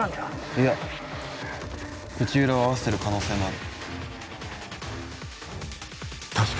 いや口裏を合わせてる可能性もある。